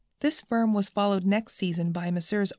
This firm was followed next season by Messrs.